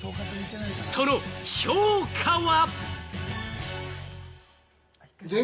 その評価は？